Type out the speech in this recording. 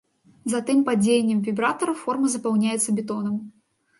Затым пад дзеяннем вібратара форма запаўняецца бетонам.